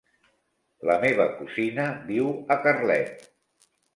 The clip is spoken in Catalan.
La meva cosina viu a Carlet.